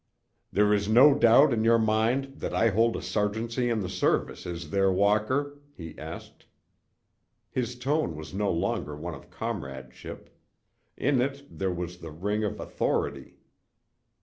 "There is no doubt in your mind that I hold a sergeancy in the service, is there, Walker?" he asked. His tone was no longer one of comradeship. In it there was the ring of authority.